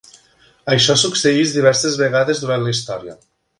Això succeeix diverses vegades durant la història.